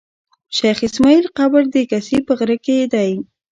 شېخ اسماعیل قبر د کسي په غره کښي دﺉ.